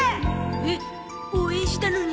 えっ応援したのに